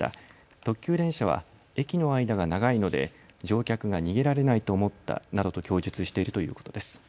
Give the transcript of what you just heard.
特急電車は駅の間が長いので乗客が逃げられないと思ったなどと供述しているということです。